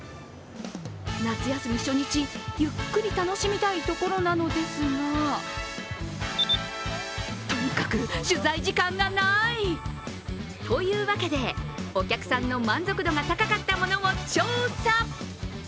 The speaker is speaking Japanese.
夏休み初日、ゆっくり楽しみたいところなのですがとにかく取材時間がない！というわけで、お客さんの満足度が高かったものを調査。